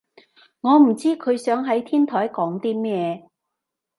我唔知佢想喺天台講啲咩